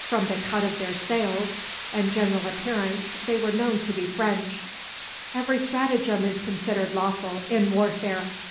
From the cut of their sails and general appearance they were known to be French. Every stratagem is considered lawful in warfare.